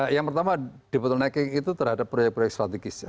yang pertama debottlenecking itu terhadap proyek proyek strategis